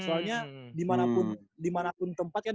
soalnya dimanapun tempat kan